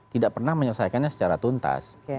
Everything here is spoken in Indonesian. tidak pernah menyelesaikannya secara tuntas